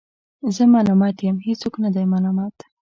زه ملامت یم ، هیڅوک نه دی ملامت